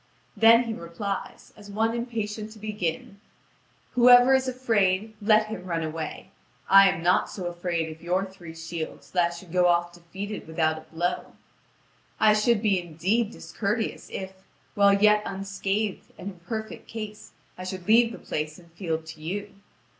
Then he replies, as one impatient to begin: "Whoever is afraid, let him run away! I am not so afraid of your three shields that I should go off defeated without a blow. I should be indeed discourteous, if, while yet unscathed and in perfect case, I should leave the place and field to you.